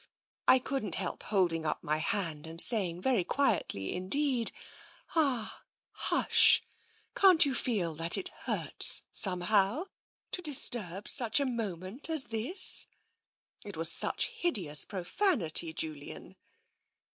I couldn't help holding up my hand and saying very quietly indeed :' Ah, hush ! J Can't you feel that it hurts, somehow, to disturb such a moment as this ?' It was such hideous profanity, Julian